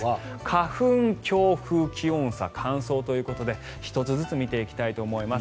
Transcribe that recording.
花粉、強風、気温差乾燥ということで１つずつ見ていきたいと思います。